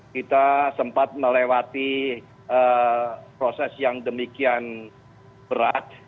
kita sempat melewati proses yang demikian berat